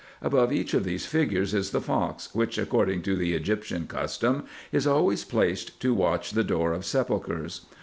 Above each of these figures is the fox, which, according to the Egyptian custom, is always placed to watch the doors of sepulchres.